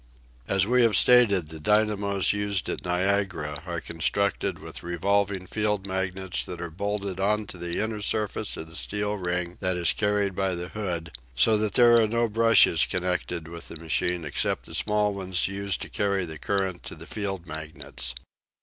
As we have stated, the dynamos used at Niagara are constructed with revolving field magnets that are bolted on to the inner surface of the steel ring that is carried by the hood, so that there are no brushes connected with the machine except the small ones used to carry the current to the field magnets.